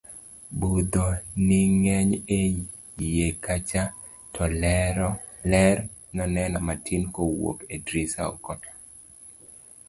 mudho neng'eny e iye kacha to ler noneno matin kawuok e drisa oko